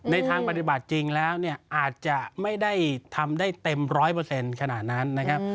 ในทางปฏิบัติจริงแล้วอาจจะไม่ได้ทำได้เต็ม๑๐๐ขนาดนั้นนะครับ